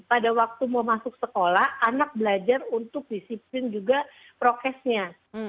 pada waktu mau masuk sekolah anak belajar untuk disiplin juga prokesnya